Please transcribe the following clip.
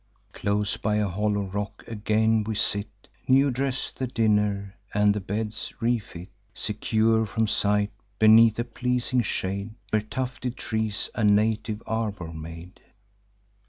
Close by a hollow rock, again we sit, New dress the dinner, and the beds refit, Secure from sight, beneath a pleasing shade, Where tufted trees a native arbour made.